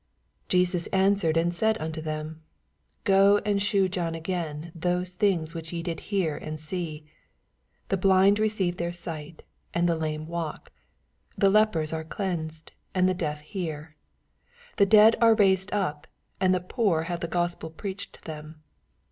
4 Jesus answered and said nnto them, Go and shew John again those thinn which ye do hear and see : 6 The blind receive their siff ht, and the lame walk, the lepen are cleansed, and the deaf hear, the dead are raised np, and the i>oor have the Gospel prsached to tnem.